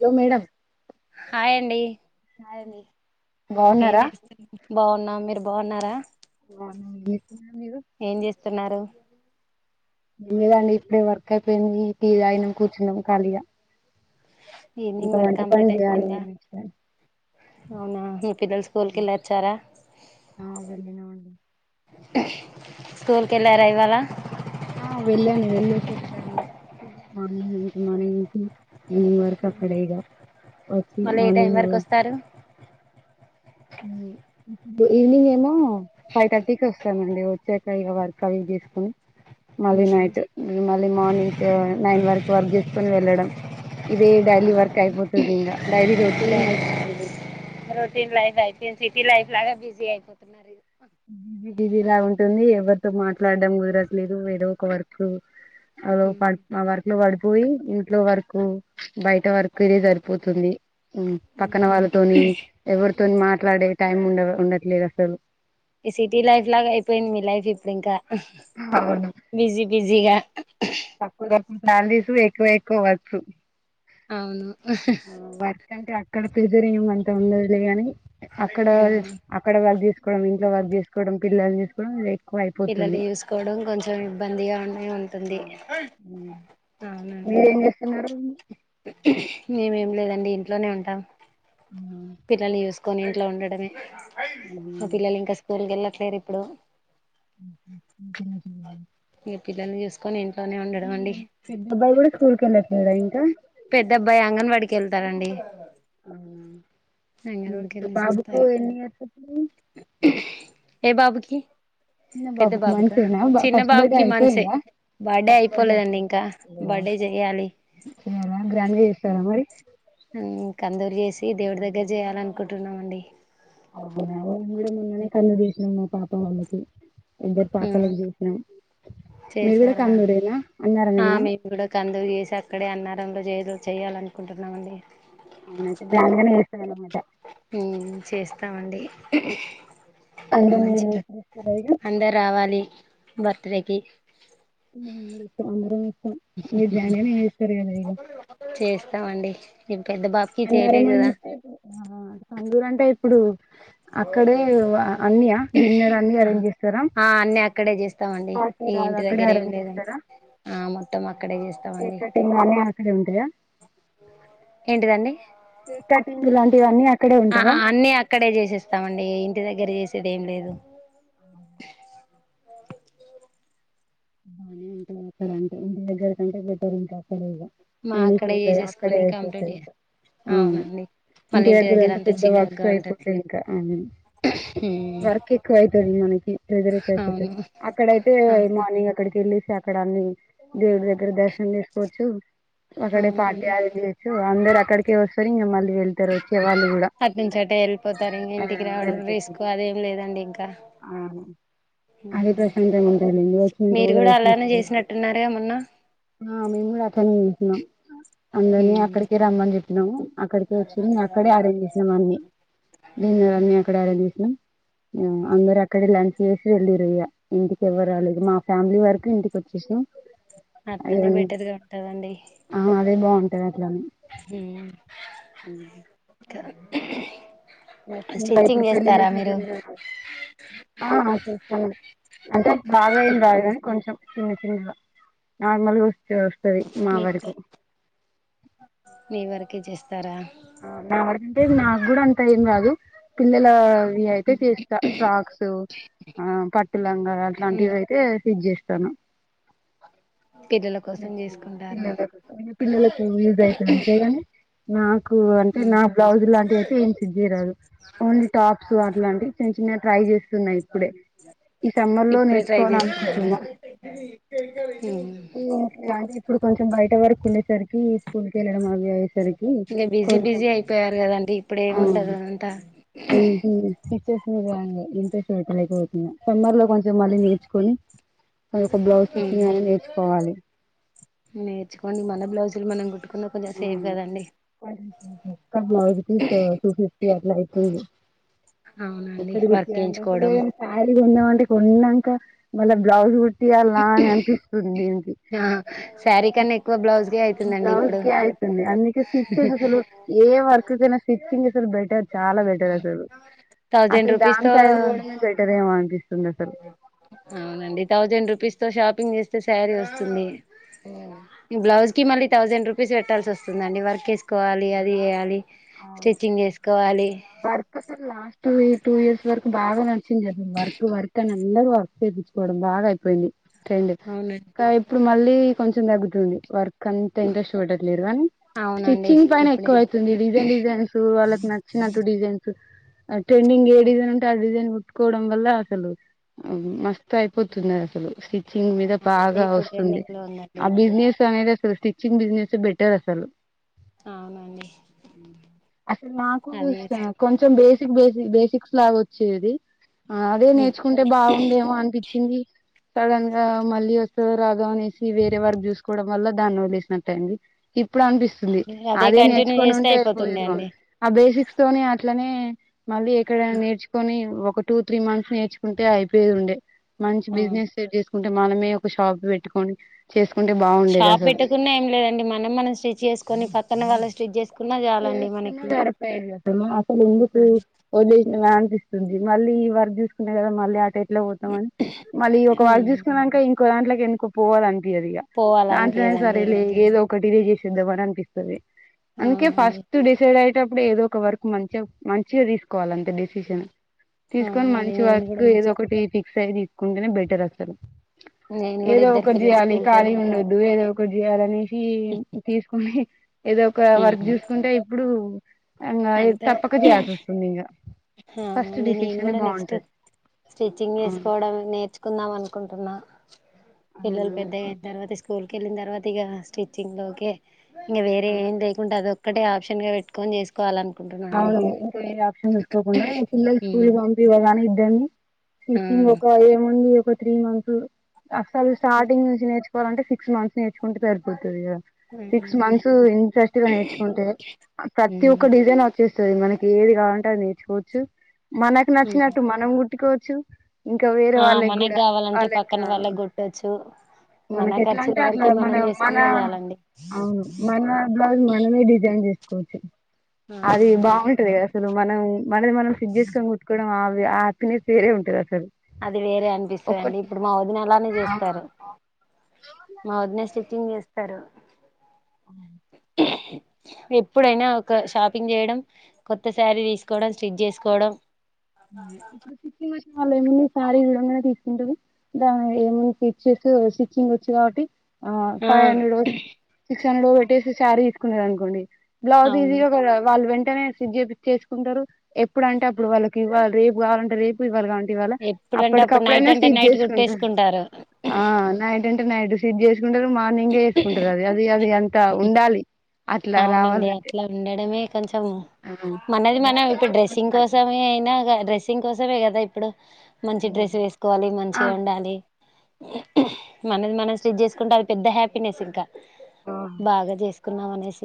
లో madam hi hi అండి ఏన్ చేస్తూ బాగున్నా మీరు బాగున్నారా మీరు తిన్నారు లేదండి ఇప్పుడే వర్క్ అయిపోయింది ఈ ద ఆయనం కూర్చున్నాం ఖాళీగా ఈవినింగ్ ఇంకా వర్క్ వంట పని కంప్లీట్ చేయాలి అయిపోయిందా అవునా పిల్లలు స్కూల్కి వెళ్ళోచ్చారా ఆ వెళ్ళినావండి స్కూల్కి వెళ్ళారా ఇవ్వాలా ఆ వెళ్ళాను వెళ్ళేసి వచ్చాను మ నుంచి మన నుంచి ఈవేనింగ్ వరకు అక్కడ ఇగ వచ్చి మళ్ళీ ఏ టైం మార్నింగ్ వరకు వస్తారు ఈవినింగ్ ఏమో ఫైవ్ థర్టీకి వస్తానండి వచ్చాక ఇక వర్క్ అవి చేసుకుొని మళ్ళీ నైటు మళ్ళీ మార్నింగ్ నైన్ వరకు వర్క్ చేసుకుని వెళ్ళడం ఇదే డైలీ వర్క్ అయిపోతుంది ఇంకా డైలీ రొటీన్ అయిపోతుంది రొటీన్ లైఫ్ అయిపోయింది సిటీ లైఫ్ లాగా బిజీ అయిపోతున్నారుది ది ఇది ఇలా ఉంటుంది ఎవరితో మాట్లాడడం కుదరట్లేదు ఏదో ఒక వర్క్ అ ప వకులో ఆ వర్క్ లో పడి పోయి ఇంట్లో వరకు బయట వరకు ఇద సరిపోతుంది ఉ పక్కన వాళ్ళతోని ఎవరి మాట్లాడే టైం ఉండదు ఉండట్లేదు అసలు ఈ సిటీ లైఫ్ లాగా అయిపోయింది మీ లైఫ్ ఇప్పుడు ఇంకా బిజీ బిజ్ దిగా అప్పుడే సాలరీస్ ఎక్కువాయిపోవచ్చు అవును ఆ అంటే అక్కడ ప్రేజరింగ్ ఏం అంత ఉండదులే గా ని అక్కడ అక్కడ వాల్ దిస్ వడం ఇంట్లో వర్క్ చేసుకోవడం పిల్లల్లు జూ సుకోవడం ఇదే పిల్లల్లు చూసుకోవడం కొంచెం ఇబ్బందిగా ఉండే ఉంటుంది అవునండి మీరేం చేస్తున్నారు మేమేం లేదండి ఇంట్లోనే ఉంటాం అట్లా ఉండడమే అవునండి పిలలింకా స్కూల్ కెల్ సేరి ఇప్పుడు జ కోనేం మీ పెద్దబాయ్ కూడా కూడా స్కూల్ కెల్లాట్ లేదా ఇంకా పెద్ద అబ్బాయ్ అంగన్వాడికి వెళ్తాడండి వెళ్ళేసి బాబుకు వస్తారు ఎన్ని ఇయర్స్ ఏ బాబుకి ఇ పెద్ద బాబుకి బాబుకా మంత్సేన చిన్న ఫస్ట్ బర్డే బాబుకి మంత్సే అయిపోయిందా బర్త్డే ఫస్ట్ బర్డే అయిపోలేదండి ఇంకా అయిపోఇంద బర్త్డే చెయ్యాలి గ్రాండ్గా చేస్తారా మరి కందూరు చేసి దేవుడి దగ్గర చేయాల అనుకుంటున్నామండి అవునా ఉమ్ మొన్ననే కందు దీశం మా పాపకి అవనది ఇద్దరు పాపాలకి చూసినాం చేసారా ఆ అన్నారమేనా మేము కూడా కందురీ చేసి అక్కడే అన్నారంలో చేస్ చేయాలనుకుంటున్నామండి అవుయితే గ్రాండ్గానే చేస్తారని మాట చేస్తామండి అందరిని మంచిగా పిలుస్తారు ఇగ అందరు రావాలి బర్త్డేకి మీ జనని ఈశ్వర్ గానిది గా స్తామండి ఇ ప్ అన్నారమంటే ఆ కందూరంటే ఇప్పుడు అక్కడే అన్నయా డిన్నర్ అన్ని అరేంజ్ చేస్తారా ఆ అన్నీ అక్కడే చేస్తామండి పార్టీ ఈ రాదు ఇంటి అక్కడే దగ్గర ఏం అరేంజ్ లేదండి చేస్తారా ఆ మొత్తం అక్కడే కేక్ చేస్తామండి కటింగ్ గానీ అక్కడే ఉంటయా ఏంటిదండి కేక్ కట్టింగ్ లాంటివన్నీ ఆ అన్ని అక్కడే చేసేస్తామండి ఇంటి దగ్గర చేసి దేం లేదు బాగానే ఉంటదక్కడ అంటే ఇంటి దగ్గర కంటే బెట్టరు ఉంటది అక్కడే ఇగ మా అన్ని అక్కడే చూసాయి అక్కడే చేసేసుకొని కంప్లీట్ అయిపోతాయి చే ఆ అవునండి మళ్ళీ ఇంటి దగ్గర అంటే అంతా పెద్ద వర్క్స్ చికాకుగా ఉంటది అయిపోతాయి ఇంకావు హ్మ్ వర్క్ ఎక్కువ అవుతది మనకి ప్రెజర్ ఎక్కువ అయిపోతయి అవును అక్కడయితే అవును మార్నింగ్ వెళ్లిసి అక్కడ అన్ని దేవుడి దగ్గర దర్శనం చేసుకోవచ్చు ఒకడే పార్టీ అవునండి అది చేయొచ్చు అందరు అక్కడికే వస్తారు ఇంగ మళ్ళీ వెళ్తారు వచ్చే వాళ్ళు కూడా అట్నుంచి అటే వెళ్ళిపోతారు ఇంక ఆ ఇంటికి రావడం వెల్తరు రిస్క్ అదేం లేదండి ఇంకా అవును అది ప్రశాంతంగా ఉంటది ఆ మీరు కూడా అలానే చేసినట్టున్నారుగా మొన్న మేం గూడ ఆహ అందరిని ఉమ్ అక్కడికి రమ్మని చెప్ప నం అక్కడికే వచ్చిల్లు అక్కడే అరేంజ్ చేసినం అన్ని డిన్నర్ అన్ని అక్కడ అరేంజ్ చేసా అందర అక్కడ లంచ్ చేసి వెళ్ళిర్రు ఇగ ఇంటికి ఎవ్వరు రాలేదు మా ఫ్యామిలీ వరకు ఇంటికి ఒచ్చేసినం అట్లనే బెటర్ గా ఉంటదండి ఉంటద హు కా నెక్స్ట్ ఇంకా ఇప్పుడు పెళ్ళిళ చేస్తారా మీరు సీజన్ కా ఆ చేస్తాను అంటే బాగా ఎం కాదు స్టిచ్చింగ్ గని కొంచెం చిన్న చిన్న గా నార్మల్ చ ఒస్తది మావర చే మీ కు కె చేస్తారా నా వాడకంటే నాకు కూడా అంత ఏం రాదు పిల్లల వి అయితే చేస్తా ఫ్రాక్స్ ఆ పట్టు లంగా ఉమ్ అట్లాంటివి అయితే స్టిచ్ చేస్త పిల్లల కోసం చేసుకుంటారు [unintelligible] పిల్లలకు యూజ అవుతుంది అంతే గాని నా అంటే ఉమ్ నా బ్లౌజ్ లాంటి అయితే ఏం [unintelligible] ఓన్లీ టాప్స్ అలాంటి చిన్న చిన్న ట్రై చేస్తున్నాయి ఇప్పుడే ఈ సమ్మర్ లో ఇప్పుడే ట్రై చేస్తున్నారా నేర్చుకోవాలనుకుంటున్నా ఉమ్ ఇప్పుడు కొంచెం బయట వరకు వేళ్ళేసరికి ఈ స్కూల్ కి వెళ్ళడం [unintelligible] సరికి ఇంకా బిజీ బిజీ అయిపోయారు కదండి ఇప్పుడు ఏముంటది ఆది అంటా సెమ్మర్ లో కొంచెం మళ్ళీ నేర్చుకొని ఒక బ్లౌజ్ స్టిచ్చింగ్ అనేది నేర్చుకోవాలి నేర్చుకోనీ మన బ్లౌజ్ మనం [unintelligible] సేఫ్ కదండి [unintelligible] బ్లౌజ్ పీస్ టు ఫిఫ్టీ ఉ అవునండి వర్క్ వేయించుకోవడం [unintelligible] [unintelligible] మన బ్లౌజ్ [unintelligible] అనిపిస్తుంది ఏంటి ఆ శారీ కన్నా ఎక్కువ బ్లౌజ్కే అయితుందండి ఇప్పుడు ఏ వర్క్యినా స్చ్చింగ్ బెటర్ చాలా బెటర్ అసలు థౌజండ్ అసలు రూపీస్ దన్ తో సైడ్ పోవడమే బెటర్ ఏమో అనిపిస్తుంది అసలు అవునండి థౌజండ్ రూపీస్ తో షాపింగ్ శారీ వస్తుంది ఈ బ్లాజ్ మళ్ళీ థౌజండ్ రూపీస్ పెట్టాల్సి వస్తుందండి వర్క్ చేసుకోవలి అది వేయాలి స్టిచ్చింగ్ చేసుకోవాలి [unintelligible] టూ ఇయర్స్ వరకు బాగా నడిచింది వర్క్ వర్క్ అని అందరూ వర్క్ చేయించుకోవడం బాగా అయిపోయింది [unintelligible] అవునండి ఇప్పుడు మళ్ళీ కొంచెం [unintelligible] వర్క్ అంత ఇంటరెస్ట్ పెట్టలేదు అవునండి స్టిచింగ్ పైన ఇప్పుడే ఎక్కువ అవుతుంది డిజైన్ డిజైన్స్ వాళ్ళకి నచ్చినట్టు డిజైన్స్ ట్రెండింగ్ ఏ డిజైన్ ఉంటే ఆ డిజైన్ కుట్టుకోవడం వల్ల అసలు మస్త అయిపోతుంది అసలు మీద ఆ అదే బాగా ఇప్పుడు వస్తుంది ట్రెండింగ్ లో ఉందండి ఆ బిజినెస్ అనేది [unintelligible] బిజినెస్ బెటర్ అసలు ఆ [unintelligible] అసలు మాకు కొంచెం బేస్ బేసి బేసిక్స్ లాగ వచ్చేది అదే నేర్చుకుంటే బాగుండేమో అనిపించింది సడన్ గా మళ్ళీ వస్తదొ రాదో అనేసి వేరే వర్క్ చూసుకోవడం వల్ల దాన్ని వదిలేసినట్టు అంది ఇప్పుడు అనిపిస్తుంది అదే కంటిన్యూ చేస్తే అయిపోతుండే నేర్చుకొనున్ అండి ఆ బేసిక్స్ తోనే ఇట్లనే మళ్ళీ ఎక్కడ నేర్చుకొని ఒక టూ త్రీ మంత్స్ నేర్చుకుంటే అయిపోయేదుండె మంచి ఆ బిజినెస్ సెట్ చేస్ టే మనమే ఒక షాప్ పెట్టుకొని చేసుకుంటే బాగుండేది షాప్ అసలు పెట్టకున్నా ఏం లేదండి మనం మనం స్టిచ్ చేసుకొని పక్కన వాళ్ళ స్టిజ్జేస్ అసలు ఎందుకు ఇప్పుడు [unintelligible] హ్యాండ్స్ ది మళ్ళీ ఈ వర్క్ చూసుకున్నాయి కదా మళ్ళీట ట్లా పోతామని మళ్ళీ ఒక వర్క్ చూసుకున్నాక ఇన్ ఇంకోదాంట్లేకి ఎందుకు పోవాలన్ పీయదిగా దాంట్లోనే సరే పోవాలనిపియదండి లే ఏదో ఒకటి ఇదే చేస్ పెద్ద పని అనిపిస్తది అందుకే అవును ఫస్ట్ డిసై టయేటప్పుడు ఏదో ఒక వర్క్ మంచిగా మంచిగా తీసుకోవాల అంతే డిసిషన్ తీసుకొని అవునండి మంచి నేను వర్క్ కూడా నెక్స్ట్ ఏదో ఒకటిపి సై తీసుకుంటేనే బెటర్ అసలు నేను కూడా ఏదో ఇద్దరు ఒకటి పిల్లలు చేయాలి స్కూల్ కి వెళ్ళాక ఖాళీగుండద్దు ఏదో ఒక్ కుదియాలని కీ తీసుకుని ఏదో ఒక వర్క్ చూసుకుంటే ఇప్పుడు ఇంగ అంతే తప్పక చేయాల్సి వస్తుంది ఇంగ ఫస్ట్ అవునండి నేను డిసిషనే కూడా నెక్స్ట్ బాగుంటది స్టిచ్చింగ్ అవును చేసుకోవడం నేర్చుకుందాం అనుకుంటున్నా పిల్లలు అవునా పెద్ద అయిన తర్వాత ఇస్ స్కూల్కి వెళ్ళిన తర్వాత ఇక స్టిచ్చింగ్ లోకె ఇంగ వేరే ఆ ఏం లేకుండా అదొక్ ఒకటి ఆప్షన్గా పెట్టుకొని చేసు క్యాలన్ అవును ఇంకా ఎమ్ ఆప్షన్ తీసుకోకుండా ఇ పిల్లలు స్కూల్ ఉమ్ పంపిఇవగానే [inaudible] స్టిచింగ్ ఒక ఏముంది ఒక త్రీ మంత్స్ అసలు స్టార్టింగ్ నుంచి నేర్చు వాలంటే సిక్స్ మంత్స్ నేర్చుకుంటే సరిపో తదిగా సిక్స్ మంత్స్ ఇంట్రెస్ట్ గా నేర్చుకుంటే ఆ ప్రతి ఒక్క డిజైన్ వస్తు చూపిస్తది మనకి ఏది కావాలంటే అది నేర్చుకోవచ్చు మనకు నచ్చినట్టు మనం గుట్టుకొ చు ఇంకా వేరే ఆ ఆ వాళ్ళకి మనకు గూడా కావాలంటే వాళ్ళకు పక్కన వాళ్ళకి కొట్టొచ్చు మనకు మన ఎట్లా ఖర్చుల అంటే అట్ల వరకి మన మనం మన చేసుకున్నా చాలండి అవును మన బ్లౌజ్ మనమే డిజైన్ చే కోచ్చు అది బాగుంటదిగా అసలు మనం మనది మనం స్టిచ్ చేసుకొని కుట్టుకోవడం అద్ ఆ అతని పేరే ఉంటది అసలు అది వేరే అనిపిస్తదండి ఒకటి ఇప్పుడు మా వదిన అలానే చేస్తారు మా వదిన స్టిచ్చింగ్ చేస్తారు అ ఎప్పుడైనా ఒక షాపింగ్ చేయడం కొత్త శారీ తీసుకోవడం స్టిచ్ చేసుకోవడం ఇప్పుడు స్టిచింగ్ వచ్చిన వాళ్ళు ఏమన్నా సారీ చూడంగానే తీసుకుంటారు దా ఏమన్నా స్టిచెస్ స్టిచింగ్ వచ్చు కాబట్టి ఆ ఫైవ్ హండ్రెడొ సిక్స్ [unintelligible] క్షణలో పెట్టేసి సారీ తీసుకున్నారు అనుకోండి బ్లౌజ్ అవును ఈజీగా కూడా వాళ్ళు వెన్ అట్టనే స్టిచ్ చెయ్యి పించేసుకుంటారు ఎప్పుడు అంటే అప్పుడు వాళ్ళకి గివాళ రేపు కావాలంటె రేపు ఇవ్వాళ కావలం ఇవ్వాళ ఎప్పుడంటే అప్పుడు నైట్ అప్పటికప్పుడైన అంటే స్టిచ్ నైట్ చేసుకుంటారు కుట్టేసుకుంటారు ఆ నైట్ అంటే నైట్ స్టిచ్ కొందరు మార్నింగే ఎసుకుంటారు అది అది అది అంత ఉండాలి అట్లా అవునండి రావాలంటే అట్లా ఉండడమే కొంచెం ఆ మనది మనం ఇప్పుడు డ్రెస్సింగ్ కోసమే అయినా గా డ్రెస్సింగ్ కోసమే గదా ఇప్పుడు మంచి డ్రెస్ వేసుకోవాలి మంచిగా ఉండాలి మనది మనం స్టిచ్ జేసుకుంటే అది పెద్ద హ్యాపీనెస్ ఇంకా బాగా జెస్ కున్నామనేసి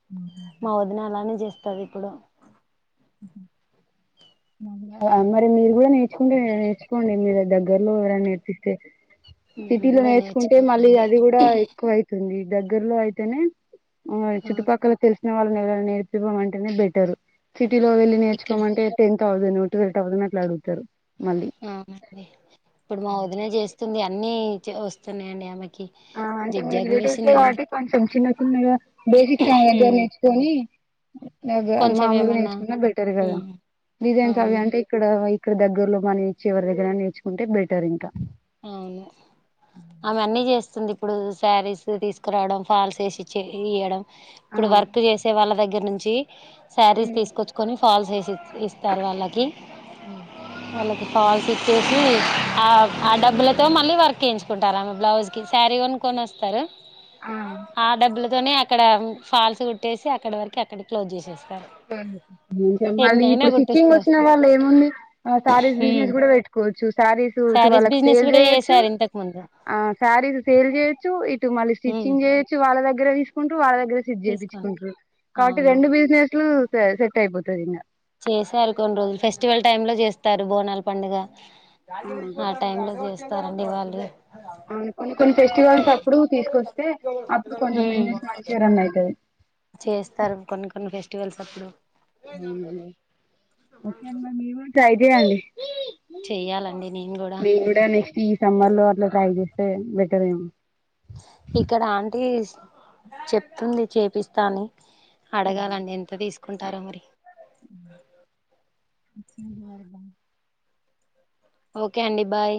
హ్మ్ మా వదిన అలానే చేస్ తది ఇప్పుడు మరి మీరు కూడా నేర్ కుండి నేర్చుకోండి మీ దెగ్ దగ్గరలో ఎవరైనా నేర్పిస్తే నేను సిటీలో కూడా నేర్చుకుంటే మళ్ళీ నేర్చుకోవాలండి అది కూడా ఎక్కువ అయితుంది దగ్గర్లో అయితేనే ఆ చుట్టుపక్కల తెలిసిన వాళ్ నేర్పివ్వ అంటేనే బెటర్ సిటీలో వెళ్ళలి ఇక్కడ నేర్చుకోమంటే టె థౌజంను ట్వెల్వ్ థౌజంను అట్లా అడుగుతారు మళ్ళీ అవునండి ఇప్పుడు మా వదిన చేస్తుంది అ అన్నీ చ వస్తున్నాయండి ఆమె ఆ అంటే మీ రిలేటివ్స్ కబట్టి కొంచెం చిన్న చిన్నగా బేసిక్ ఉమ్, నేర్చుకొని కొంచెం మామలుగా ఏమన్నా నేర్చుకున్న బెటర్ కదా ఉమ్, డిజైన్స్ అవి అవును అంటే ఇక్కడ ఇక్కడగ్గరలో మనేర్చ ఎవరి దగరనుంచి నేర్చుకుంటే బటర్ ఇంకా అవును ఆమె అన్నీ చేస్తుంది ఇప్పుడు శారీస్ తీసుకురావడం ఫాల్స్ వేసిచ్చి ఇయడం ఇప్పుడు వర్క్ చేసే వాళ్ళ దగ్గర దగ్గర నుంచి శారీస్ తీసుకొచ్చుకొని ఫల్స్ వేసి ఇస్తారు వాళ్ళకి వాళ్ళక్ పాల్స్ ఇచ్చేసి ఆ ఆ డబ్బులతో మళ్ళీ వర్క్ వేయించుకుంటారు ఆమె బ్లౌజ్ కి శారీ కొనుకొని వస్తారు ఆ డబ్బులు అక్కడ ఫాల్స్ కుట్టేసి అక్కడ వరకు అక్కడ క్లోజ్ చేసేస్తారు మళ్ళీ ఎన్నైనా ఇప్పుడు స్టిచ్చింగ్ వచ్చిన కుట్టేసుకోవచ్చు వాళ్ళు ఏముంది ఆ శారీస్ బిజినెస్ ఉమ్ కూడా పెట్టుకోవచ్చు శారీస్ టు శారీస్ వాళ్ళకి బిజినెస్ సేల్ కూడా చేయొచ్చు చేసారు ఇంతకు ముందు ఆ శారీస్ సేల్ చేయొచ్చు ఇటు మళ్ళీ ఉమ్ స్టిచ్చింగ్ చేయొచ్చు వాళ్ళ దగ్గర ద్గర తీసుకుంట వాళ్ళగ స్టిచ్ తీసుకోండి కాబట్టి అవును రెడు బిజినె సెట్ అయిపోతది ఇంగా చేశారు కొన్ని రోజులు ఫెస్టివల్ టైమ్ లో చేస్త తరు బోనల్ పండుగ ఇంకా ఆ టైం లో చే స్తారాండి వాళ్ళు అవును కొన్ని కొన్ని ఫెస్టివల్స్ అప్పుడు తీసుకొస్తే అప్పుడు కొంచెం ఉమ్ బిజినెస్ మంచిగ రన్ అవుతుంది ట్వెల్స్ అప్ప్పుడో ఊహు ఓకే అండి మీరు మయ్ చయిదె అండి చెయ్యాలండి నేన్ కూడ సమ్మర్లో అట్ల ట్రాై చేస్తే బెటర్ ఏం ఇక్కడ ఆంటీస్ చెప్తుంది చేపిస్తాంది అడగాలండి ఎంత తీసుకుంటారొ మరి ఉహ్ ఓకె అండి బాయ్